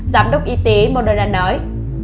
giám đốc y tế moderna nói